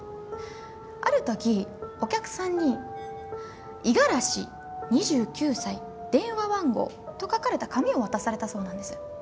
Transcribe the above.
ある時お客さんに「五十嵐２９歳電話番号」と書かれた紙を渡されたそうなんです。